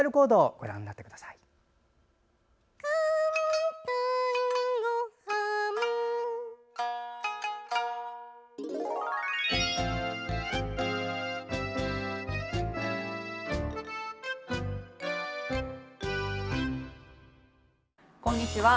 こんにちは。